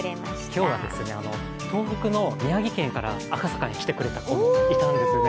今日は東北の宮城県から赤坂に来てくれた子もいたんですね。